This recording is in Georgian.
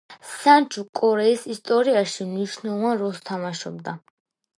სანჯუ კორეის ისტორიაში მნიშვნელოვან როლს თამაშობდა.